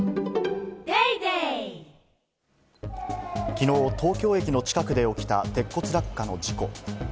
きのう東京駅の近くで起きた鉄骨落下の事故。